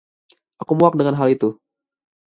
Aku muak dengan hal itu!